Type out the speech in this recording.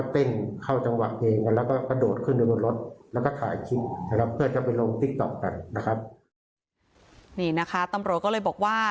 ตำรวจก็เลยบอกว่า